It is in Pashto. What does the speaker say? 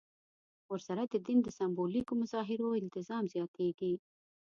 ورسره د دین سېمبولیکو مظاهرو التزام زیاتېږي.